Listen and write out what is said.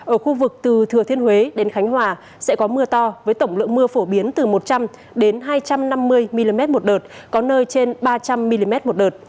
ở khu vực từ thừa thiên huế đến khánh hòa sẽ có mưa to với tổng lượng mưa phổ biến từ một trăm linh hai trăm năm mươi mm một đợt có nơi trên ba trăm linh mm một đợt